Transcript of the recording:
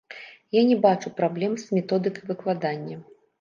Я не бачу праблем з методыкай выкладання.